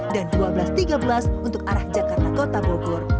dan dua belas tiga belas untuk arah jakarta kota bogor